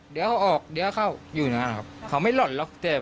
เดี๋ยวเขาออกเดี๋ยวเขาอยู่อยู่นั่นครับเขาไม่หล่อนแล้วเจ็บ